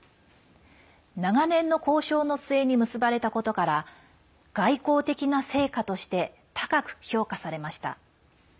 長年の交渉の末に結ばれたことから外交的な成果として高く評価されました。